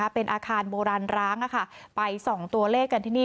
เป็นอาคารโบราณร้างไปส่องตัวเลขกันที่นี่